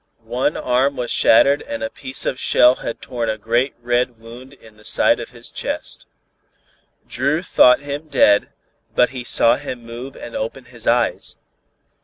One arm was shattered and a piece of shell had torn a great red wound in the side of his chest. Dru thought him dead, but he saw him move and open his eyes.